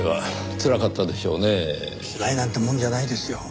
つらいなんてもんじゃないですよ。